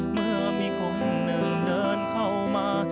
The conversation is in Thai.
เมื่อมีคนหนึ่งเดินเข้ามา